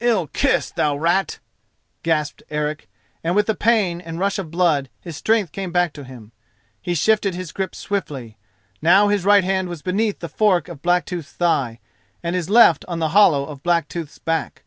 "Ill kissed, thou rat!" gasped Eric, and with the pain and rush of blood, his strength came back to him. He shifted his grip swiftly, now his right hand was beneath the fork of Blacktooth's thigh and his left on the hollow of Blacktooth's back.